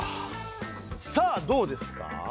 さあどうですか？